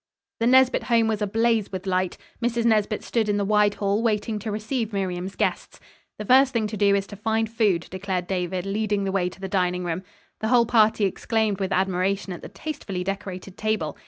The Nesbit home was ablaze with light. Mrs. Nesbit stood in the wide hall waiting to receive Miriam's guests. "The first thing to do is to find food," declared David, leading the way to the dining room. The whole party exclaimed with admiration at the tastefully decorated table.